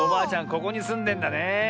ここにすんでんだねえ。